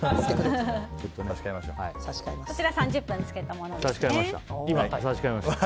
こちら３０分漬けたものです。